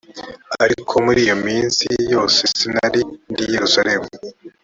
ariko muri iyo minsi yose sinari ndi i yerusalemu